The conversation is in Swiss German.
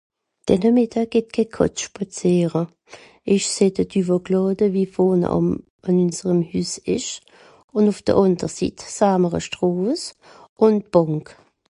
denne mìtdeu geht keh Kàtz schpàzeere ìsch seh de .... wie vòne àm àn ùnserem Hüss esch ùn ùff de àndere Sit saa mr à (stròves) ùn d'Bànk